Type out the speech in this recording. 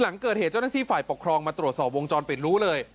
หลังเกิดเหตุเจ้าหน้าที่ฝ่ายปกครองมาตรวจสอบวงจรปิดรู้เลย